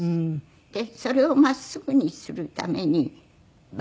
でそれを真っすぐにするためにバレエを。